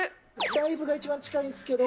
ライブが一番近いんですけど。